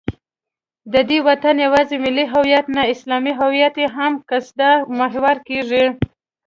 د دې وطن یوازې ملي هویت نه، اسلامي هویت یې هم قصدا محوه کېږي